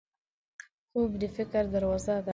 خوب د فکر دروازه ده